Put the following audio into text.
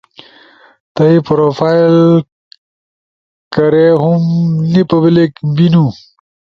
تھئی پروفائل کھارے ہُم نی پبلک بینو،